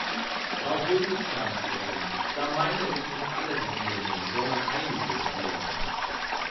Frau Bundeskanzlerin, da meine ich nicht alle Regierungen, sondern einige Regierungen.